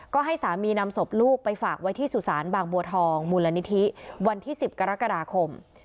ก็ให้สามีนำศพลูกไปฝากไว้ที่สุสานบางบัวทองมูลนิธิวันที่๑๐กรกฎาคม